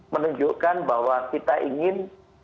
menunjukkan bahwa kita ingin